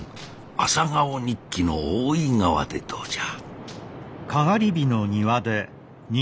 「朝顔日記」の「大井川」でどうじゃ？